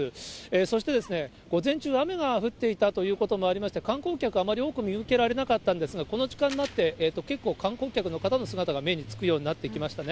そして午前中、雨が降っていたということもありまして、観光客、あまり多く見受けられなかったんですが、この時間になって、結構観光客の方の姿が目につくようになってきましたね。